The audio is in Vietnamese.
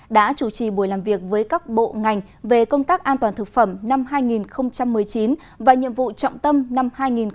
đã chủ trì buổi làm việc với các bộ ngành về công tác an toàn thực phẩm năm hai nghìn một mươi chín và nhiệm vụ trọng tâm năm hai nghìn hai mươi